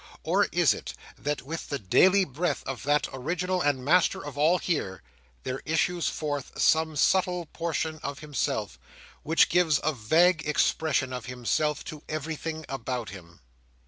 Or is it that, with the daily breath of that original and master of all here, there issues forth some subtle portion of himself, which gives a vague expression of himself to everything about him?